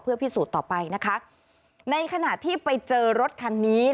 เพื่อพิสูจน์ต่อไปนะคะในขณะที่ไปเจอรถคันนี้